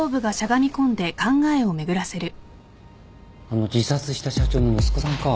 あの自殺した社長の息子さんか